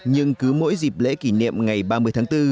nhưng cứ mỗi dịp lễ kỷ niệm ngày ba mươi tháng bốn